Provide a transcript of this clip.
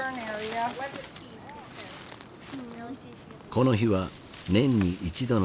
この日は年に一度の行事